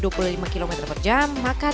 oke jadi ada laman lain